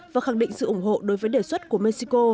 và khẳng định sự ủng hộ đối với đề xuất của mexico